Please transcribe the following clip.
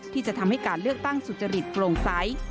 ที่จะทำให้การเลือกตั้งสุจริตโปร่งใส